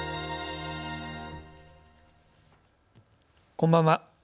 こんばんは。